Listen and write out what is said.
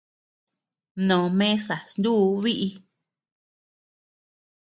Mnó mesa snuu biʼi.